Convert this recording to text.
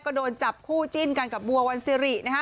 ก็โดนจับคู่จิ้นกันกับบัววันซิรินะฮะ